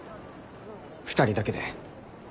２人だけで。